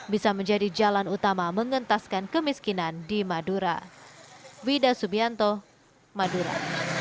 bisa menjadi jalan utama mengentaskan kemiskinan di madura